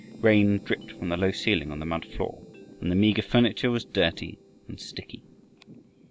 Rain dripped from the low ceiling on the mud floor, and the meager furniture was dirty and sticky.